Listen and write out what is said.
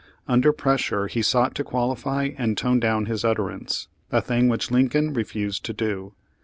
Under pressure he sought to qualify and tone down his utterance, a thing which Lincoln refused to do.